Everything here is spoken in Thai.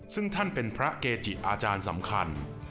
ซึ่งท่านเป็นพระเกจิอาจารย์สำคัญ